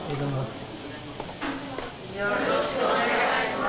よろしくお願いします。